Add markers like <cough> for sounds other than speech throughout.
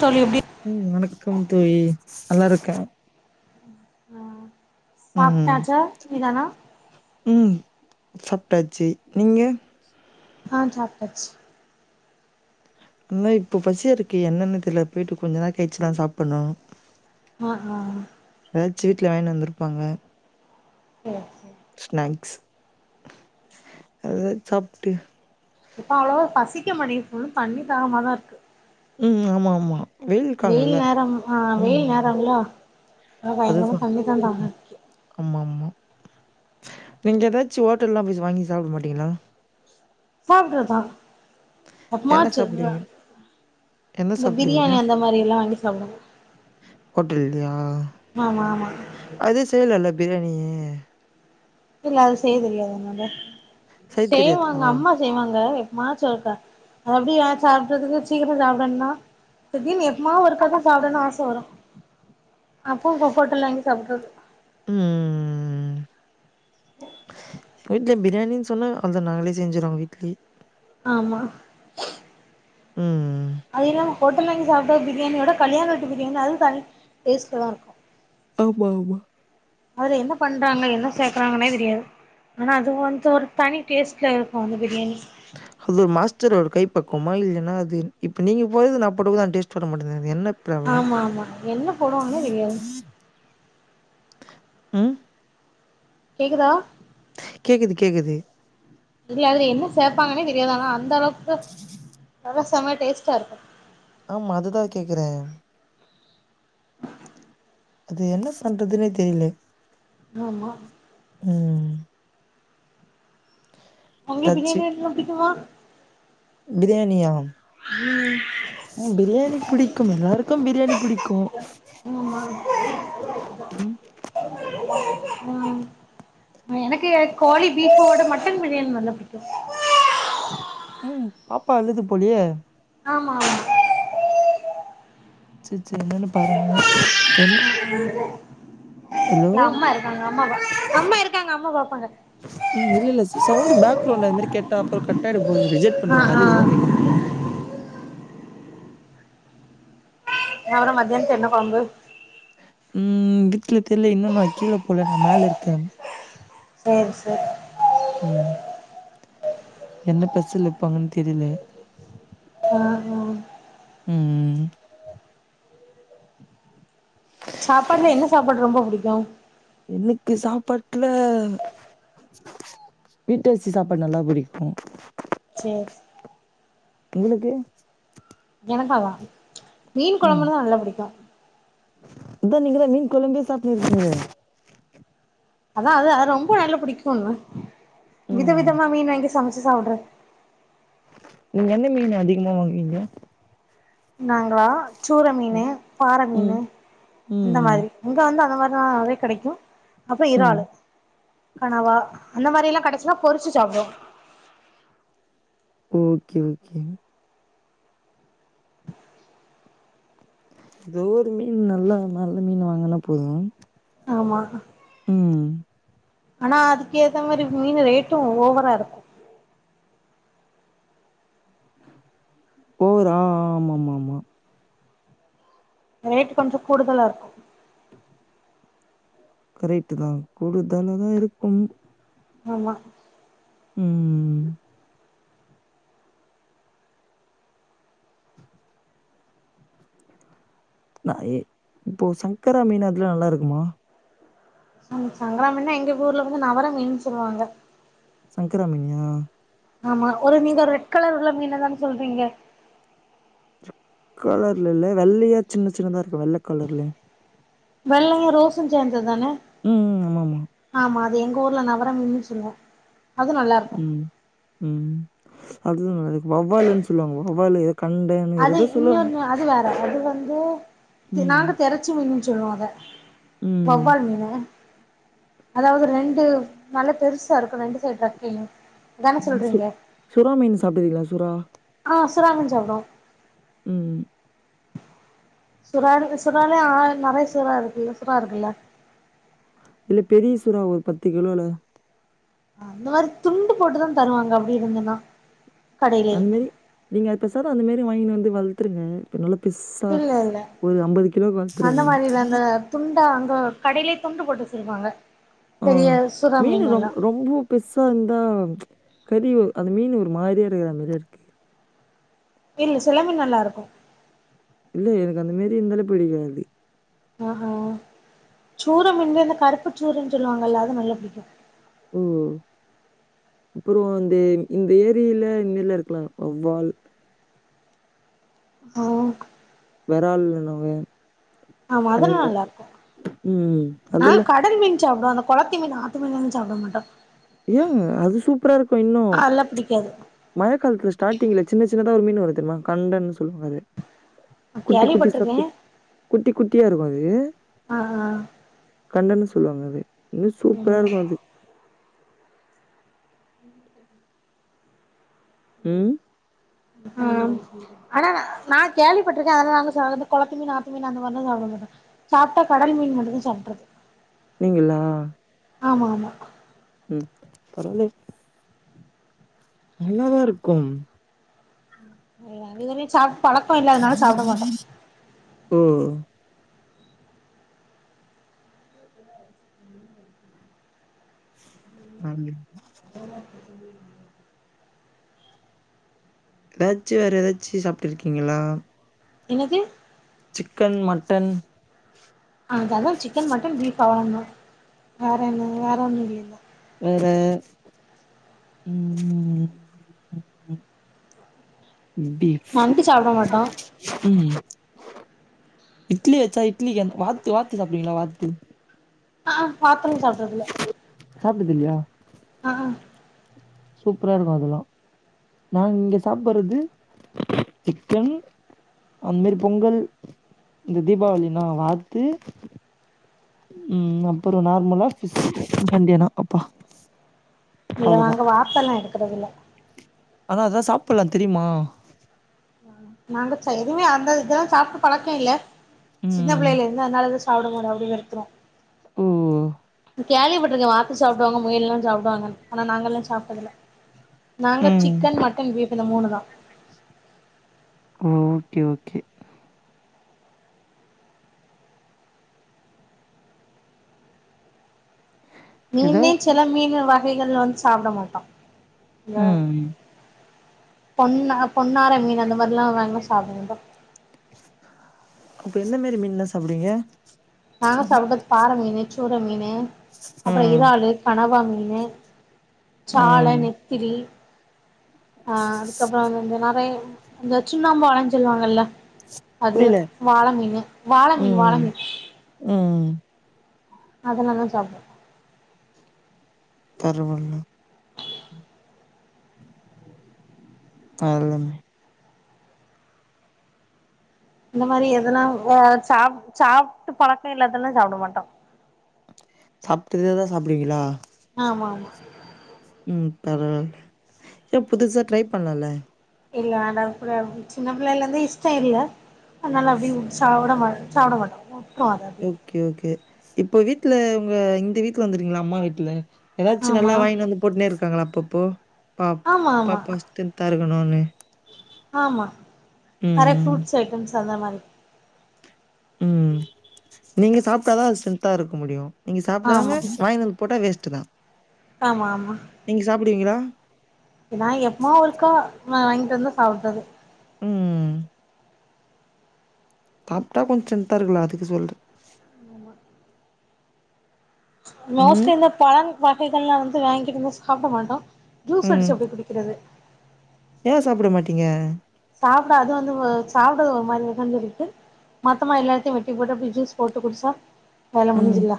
தோழி எப்டி ம் வணக்கம் தோழி நல்லா இருக்கே ம் சாப்டாச்சா இல்லனா ம் சாப்டாச்சி நீங்க ஆ சாப்டாச்சு இன்னு இப்ப பசியா இருக்கே என்னென்னு தெர்ல போயிட்டு கொஞ்ச நேரோ கழிச்சி தா சாப்புண்ணோ ஹ ஹா எதாச்சு வீட்ல‌ வாங்கிணு வந்திருப்பாங்க சேர் செரி னாக்ஸ் அதுதா சாப்ட்டு இப்ப அவ்ளோவா பசிக்க மாட்டிங்குது புல்லு தண்ணி தாகமா தா இருக்கு ம் ம் ஆமா ஆமா வெயில் காலல்ல நேரம் ஆ வெயில் நேரங்களா அதா அது பயங்கரமா தா ம் தண்ணிதா தாகமா ம் இருக்கு ஆமாம்மா நீங்க எதாச்சு ஹோட்டல்லா போய் வாங்கி சாப்ட மாட்டிங்ளா சாப்டுவா சாப் என்ன எப்பமாச்சு தா சாப்டுவீங்க என்ன இந்த பிரியாணி அந்த மாரி யெல்லா வாங்கி சாப்டுவாங்க ஹோட்டல்லையா ஆமா ஆமா அது செய்லால்ல பிராணியே இல்ல அது செய்ய தெரியாத என்னால செய்ய செய்வாங்க தெரியாதா அம்மா செய்வாங்க எப்பமாச்சி ஒருக்கா அப்டி சாப்டுறதுக்கு சீக்கிரோ சாப்டன்னா தீடிருன்னு எப்பமா ஒருக்கா தா சாப்டன்னு ஆச வரு அப்பவு ஹோட்டல்ல வாங்கி சாப்பட்றது ம்ம்ம் வீட்ல பிரியாணின் சொன்னா அத நாங்களே செஞ்சுருவோ வீட்லே ஆமா ம் அதில்லாம ஹோட்டல்ல வாங்கி சாப்டா பிரியாணியோட கல்யாண வீட்டு பிரியாணி அது தனி டேஸ்டதா இருக்கு ஆமா ஆமா அதுல என்ன பண்றாங்க என்ன சேக்கறாங்கன்னே தெரியாது ஆனா அது வந்து ஒரு தனி டேஸ்ட்ல இருக்கு அந்த பிரியாணி அது ஒரு மாஸ்டர் ஒரு கை பக்குவமா இல்லையனா அது இப்ப நீங்க போறது நா போட்றது டேஸ்டு வர மாட்டதுங்க அது என்ன பிராப்லம் ஆமா ஆமா என்ன போடுவாங்கன்னே தெரியாது ம் கேக்குதா கேக்குது கேக்குது இல்ல அதுல என்ன சேப்பாங்கன்னே தெரியாது ஆனா அந்த அளவுக்கு அது செம டேஸ்ட்டா இருக்கு ஆமா அதுதா கேக்கிறே அது என்ன பண்றதுன்னே தெரியலே ஆமா ம் உங்களுக்கு ஏதாச்சு பிரியாணியெல்லா பிடிக்குமா பிரியாணியா ம் ம் பிரியாணி பிடிக்கும் எல்லாருக்கு பிரியாணி பிடிக்கு ஆமா ஆம் ம் எனக்கு கோழி பீப்யோட மட்டன் பிரியாணி நல்லா பிடிக்கும் ம் பாப்பா அழுது போலயே ஆமா ஆமா சேரி சேரி என்னன்னு பாருங்க என் ஆங்க ஹலோ? இல்ல அம்மா இருக்காங்க அம்மா பா அம்மா இருக்காங்க அம்மா பாப்பாங்க ம் இல்லல்ல சவுண்டு பேக்ரவுண்ட்ல அதுமாரி கேட்டா அப்பறோ கட் ஆகிட போது ரிஜெக்ட் ஆ பண்ருவாங்க ஆ அதுக்குதா கேக்குறே ஏ புள்ள மத்யானதுக்கு என்ன கொழம்பு ம் இங்கருந்து கீழ தெர்ல இன்னு நா கீழ போல நா மேல இருக்கே சேரி சேரி ம் என்ன பசில இருபாங்கன்னு தெரில ஆ ஆ ம் சாப்பாடுல என்ன சாப்பாடு ரொம்ப புடிக்கு எனக்கு சாப்பாட்ல வீட்டரிசி சாப்பாடு நல்லா பிடிக்கு சேரி சே உங்களுக்கு எனக்காவா மீன் கொழம்புன்னா நல்லா பிடிக்கு இதா நீங்கதா மீன் கொழம்பே சாப்டுன்னு இருக்கீங்களே அதா அது அது ரொம்ப நல்லா பிடிக்குன்னே வித ம் விதமா மீன் வாங்கி சமைச்சி சாப்டுருவே நீங்க என்ன மீன் அதிகமா வாங்குவீங்க நாங்களா சூர மீனு ம் பாற ம் மீனு அந்த ம் மாதிரி இங்க வந்து அந்த மாரிதா நெறய கெடைக்கு அப்ப ம் இறாலு கணவா அந்த மாரி எல்லா கெடச்சின்னா பொறிச்சி சாப்டுவோ ஓகே ஓகேங்க எதோ ஒரு மீன் நல்ல நல்ல மீன் வாங்கனா போது ஆமா ம் ஆனா அதுக்கு ஏத்த மாரி மீனு ரேட்டு ஓவரா இருக்கு ஓவரா ஆமா ஆமா ஆமா ரேட் கொஞ்சோ கூடுதலா இருக்கு கரெக்ட்தா கூடுதலா தா இருக்கு ஆமா ம் நா ஏ இப்போ சங்கரா மீன் அதெல்லா நல்லா இருக்குமா அங்க சங்கரா மீன்னா எங்க ஊர்ல வந்து நவர மீன்னு சொல்வாங்க சங்கரா மீனயா ஆமா ஒரு மீன் நீங்க ரெட் கலர் உள்ள மீன தான சொல்றீங்க கலர்ல இல்ல வெள்ளயா சின்ன சின்னதா இருக்கும் வெள்ள கலர்ல வெள்ளயா ரோசும் சேந்த தானே ம் ஆமாமா ஆமா அது எங்க ஊர்ல நவர மீன்னு சொல்வோ அது நல்லா இருக்கும் ம் ம் அதே மீன வவ்வால்ன்னு சொல்வாங்க வவ்வாலு கண்ட அது இன்னொன்னு அது வேற அது வந்து ம் நாங்க தெரச்சு மீன்னுன் சொல்வோ அத ம் வவ்வால் மீனு அதாவ்து ரெண்டு நல்ல பெருசா இருக்கும் ரெண்டு சைடு ரக்கையு அதான சு சொல்றீங்க சுறா மீன் சாப்ட்ருக்ங்களா சுறா ஆ சுறா மீன் சாப்டுவோ ம் சுறாவே சுறாலே ஆ நெறைய சுறா இருக்குல்ல சுறா இருக்குல்ல இல்ல பெரிய சுறா ஒரு பத்து கிலோல அந்த மாரி துண்டு போட்டுதா தருவாங்க அப்டி இருந்துன்னா கடையிலயே அந்த மாரி நீங்க அத பெசாத அந்த மாரி வாங்கின் வந்து வள்த்ருங்க நல்ல பெர்சா இல்ல இல்ல ஒரு அம்பது கிலோக்கு அந்த வள்த்ருங்க மாரி இல்ல அந்த துண்டா அங்க கடைய்லே துண்டு போட்டு வச்சிருப்பாங்க பெரிய சுறா மீனு எல்லா பெர்சா இருந்தா கறியே அந்த மீன் ஒரு மாரியா இருக்கிறமாரி இருக்கு இல்ல சில மீன் நல்லா இருக்கும் இல்ல எனக்கு அந்த மாரி இந்தாலே பிடிக்காது அ ஆ சூர மீன்ல இந்த கருப்பு சூரன்னு சொல்வாங்கல்லா அது நல்லா பிடிக்கோ ஓ அப்புறோ இந்த இந்த ஏரியில இந் மீன்லா இருக்குல வவ்வால் அ வெரால் மீன் வங்க ஆமா அது நல்லா இருக்கும் ம். நா அதெல்லாம் கடல் மீன் சாப்டுவாங்க கொளத்தி மீன் ஆத்து மீன்ல்லா சாப்ட மாட்டோ ஏங்க அது சூப்பரா இருக்கும் இன்னும் அதெல்லா பிடிக்காது மழக்காலத்ல ஸ்டார்டிங்ல சின்ன சின்னதா ஒரு மீன் வர்றோ தெரிமா கண்டன் சொல்வாங்க அது குட்டி குட்டி கேள்விப்பட்டிருக்கே சப்பு குட்டி குட்டியா இருக்கோ அது ஆ ஆ கல்லன்னு சொல்வாங்க அது இன்னு சூப்பரா ம் இருக்கோ அது ம் ஆ ஆனா நா நா கேள்விப்பட்ருக்கே அதனால நாங்க சாதாண கொளத்து மீன் ஆத்து மீன் அந்த மாரி தா சாப்டுவோமே சாப்ட்டா கடல் மீன் மட்டு தா சாப்ட்ருக்கோ நீங்களா ஆமா ஆமா ம் பரவாலே நல்லா தா இருக்கும் ம் அதுகளு சாப்ட்டு பழக்கோ இல்லாதனால சாப்ட மாட்டோ ஓ வர்லயா <inaudible> எதாச்சு வேற எதாச்சு சாப்ட்டிருக்கீங்களா என்னது சிக்கன் மட்டன் ஆ அதா சிக்கன் மட்டன் பீஃப் அவ்ளோ தா வேற என்ன வேற ஒன்னு இல்லைல வேற ம் ண்டி நண்டு சாப்ட மாட்டோ ம் இட்லி வெச்சா இட்லிக்கு அந் வாத்து வாத்து சாப்டுவீங்களா வாத்து ஆ வாத்துன் சாப்ட்டதில்ல சாப்டதில்லயா ஆ சூப்ரா இருக்கு அதெல்லா நாங்க இங்க சாப்பறது சிக்கன் அந் மாரி பொங்கல் இந்த தீபாவளினா வாத்து ம் அப்பரொ நார்மலா ஃபிஸ் ஸ் சண்டேயானா அப்பா இல்ல அவ்ளோதா நாங்க வாத்தெல்லா எடுக்கறதில்ல ஆனா அதா சாப்புல்லா தெரிமா நாங்க சா எதுமே அந்த இதெல்லா சாப்ட்டு பழக்கொ இல்ல சின்ன ம் புள்ளைல இருந்து அதனால அது சாப்ட மாட்டோ அப்டியே வெறுத்துருவோ ம் கேள்வி பட்ருக்கே வாத்து சாப்டுவாங்க முயல்லா சாப்டுவாங்கன் ஆனா நாங்கல்லா சாப்ட்டதில்ல நாங்க சிக்கன் மட்டன் பீஃப் இந்த மூணு தா ஓ ஓகே ஓக்கே ஏதோ மீனுமே சில மீன் வகைகள் வந்து சாப்ட மாட்டோ இந்த ம் பொண்ணா பொன்னாரமீன் அந்த மாரிலா வாங்குனாம் சாப்ட மாட்டோ அப்ப எந்த மேறி மீன்லா சாப்ட்வீங்க நாங்க சாப்ட்டது பாற மீனு சூற மீனு அப்பறோ ம் இறாலு கனவா மீனு சால ம் நெத்திலி ஆ அதுக்கப்பறோ வந்து நறய அந்த சுண்ணாம்பு ஆலன்னு சொல்லுவாங்கல்ல அது புரில வாள மீனு வாள மீன் வாள ம் மீன் ம் அதெல்லா தா சாப்டுவோ தெருவுல தெர்ல இந்த மாறி எதுனா ஒ சாப் சாப்ட்டு பழக்கொ இல்லாதெல்லா சாப்ட மாட்டோ சாப்ட்டதே தா சாப்டுவீங்களா ஆமாஆமா ம் தவறு ஏ புதுசா ட்ரை பண்லால இல்ல அதா கூட சின்ன புள்ளைல இருந்தே இஷ்டொ இல்ல அதனால அப்டிய உட் சாப்ட மாட் சாப்ட மாட்டோ வுட்ருவோ அத அப்டியே ஓகே ஓகே இப்ப வீட்ல உங்க இந்த வீட்ல வந்ருங்களா அம்மா வீட்ல எதாச்சு ஆமா நல்லா வாங்கினு வந்து பொட்னே இருக்காங்களா அப்பப்போ பாப் ஆமா ஆமா பாப்பா ஸ்ட்ரென்த்தா இருக்கணூனு ஆமா நெறைய ம் ஃப்ரூட்ஸ் ஐட்டம்ஸ் அந்த மாரி உம் நீங்க சாப்டாதா அது ஸ்ரென்தா இருக்க முடியு நீங்க ஆமா சாப்டாம வாங்கி வந் போட்டா வேஸ்டு தா ஆமா ஆமா நீங்க சாப்புடுவீங்களா நா எப்பமா ஒருக்கா வாங்கிட்டு வந்து சாப்புறது ம்ம் சாப்ட்டா கொஞ்ச ஸ்ட்ரெந்தா இருக்கலா அதுக்கு சொல்ற ம் மோஸ்ட்லி இந்த பழம் வகைகள்ல்லாம் வந்து வாங்கிட்டு வந்து சாப்ட மாட்டோ ஜூஸ் ம் அடிச்சு அப்டியே குடிக்கிறது ஏ சாப்புட மாட்டீங்க சாப்புட அது வந்து சாப்டது ஒரு மாரி விகஞ்ச ருக்கு மத்தமா எல்லாத்தையு வெட்டி போட்டு அப்டியே ஜூஸ் போட்டு குடிச்சா வேல ம். முடுச்சுல்லா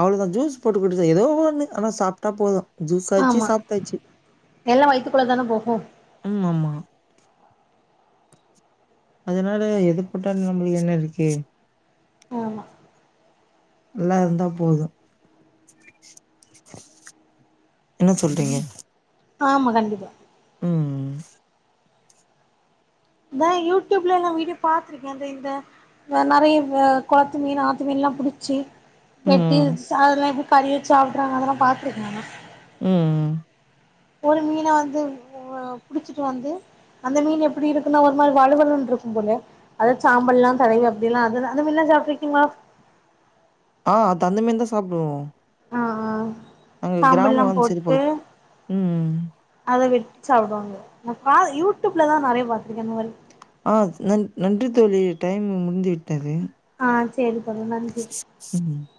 அவ்ளோதா ஜூஸ் போட்டு குடுச்சா ஏதோ ஒன்னு ஆன சாப்டா போது ஜூஸ் ஆச்சு ஆமா சாப்ட்டாச்சு எல்லா வயித்துக்குள்ள தான போகு ம் ஆமா அதனால எதுபோட்ட நம்மளுக்கு என்ன இருக்கு ஆமா நல்லார்ந்தா போது என்ன சொல்றீங்க ஆமா கண்டிப்பா உம் இத யூடியூப்ல லா வீடியோ பாத்ருக்கே அந்த இந்த வே நெறைய குளத்து மீன் ஆத்து மீன்லாம் புடிச்சி வெட்டி ம் அதெல்லா கறி வச்சு சாப்புட்றாங்க அதெல்லா பாத்துருக்கே அதெல்லா ம்ம் ஒரு மீன வந்து புடிச்சிட்டு வந்து அந்த மீன் எப்படி இருக்குன்னா ஒரு மாதிரி வலுவலுன்ரு இருக்கும் போல அத சாம்பல்லா தடவி அப்டி எல்லா அதுதா முன்னா சாப்ட்ருக்கீங்ளா ஆ தந்தமின்தா சாப்டுவோ ஆ ஆ அங்க சாம்பல்லா கிராமம் வந்து சரி போட்டு பகுது உம் ம் அத வெட்டி சாப்பிடுவாங்க நா பா யூடூப்லதா நெறைய பாத்துருக்கே இந்த மாரி ஆ ந நன்றி தோழி டைம் முடிந்து விட்டது ஆ சேரி புரோ நன்றி ம்